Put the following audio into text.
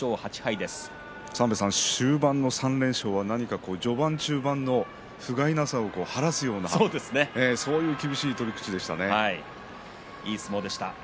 終盤の３連勝は序盤、中盤のふがいなさを晴らすようないい相撲でした。